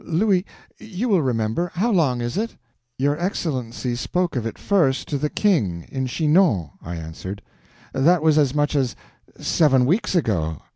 "Louis, you will remember. How long is it?" "Your Excellency spoke of it first to the King, in Chinon," I answered; "that was as much as seven weeks ago.